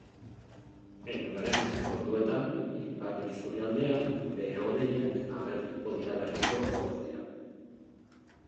Egunaren azken orduetan, ipar-isurialdean behe-hodeiak agertuko dira berriro, ordea.